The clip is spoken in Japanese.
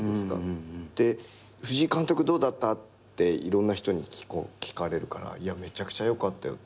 で「藤井監督どうだった？」っていろんな人に聞かれるからいやめちゃくちゃ良かったよって。